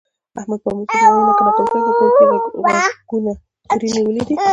احمد په ازموینه کې ناکام شوی، په کور کې یې غوږونه کوړی نیولي دي.